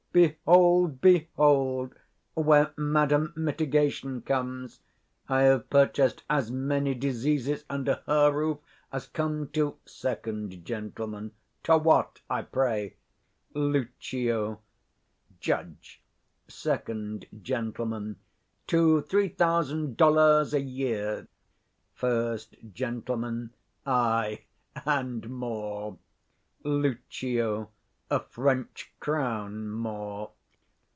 _ Behold, behold, where Madam Mitigation comes! I have purchased as many diseases under her roof as come to 45 Sec. Gent. To what, I pray? Lucio. Judge. Sec. Gent. To three thousand dolours a year. First Gent. Ay, and more. Lucio. A French crown more.